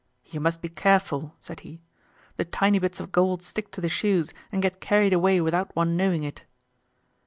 "You must be careful," said he, "the tiny bits of gold stick to the shoes, and get carried away without one knowing it."